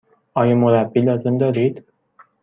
آیا مربی لازم دارید؟